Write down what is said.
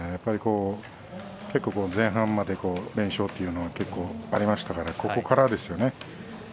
結構、前半まで連勝というのがありましたからここからですよね。